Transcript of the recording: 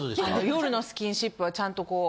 夜のスキンシップはちゃんとこう。